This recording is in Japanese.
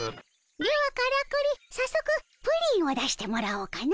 ではからくり早速プリンを出してもらおうかの。